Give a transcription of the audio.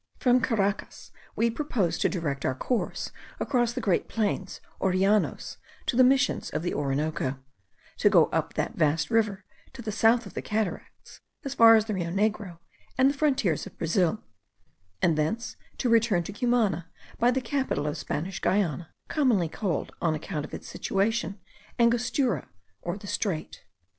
From Caracas we proposed to direct our course across the great plains or llanos, to the Missions of the Orinoco; to go up that vast river, to the south of the cataracts, as far as the Rio Negro and the frontiers of Brazil; and thence to return to Cumana by the capital of Spanish Guiana, commonly called, on account of its situation, Angostura, or the Strait.